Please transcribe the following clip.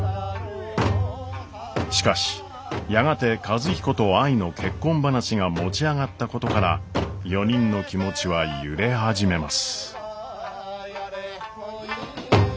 しかしやがて和彦と愛の結婚話が持ち上がったことから４人の気持ちは揺れ始めます。